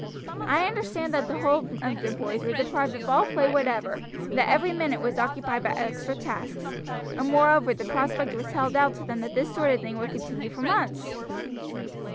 I understand that the whole of the boys were deprived of all play whatever, and that every minute was occupied by extra tasks, and moreover the prospect was held out to them that this sort of thing would continue for months."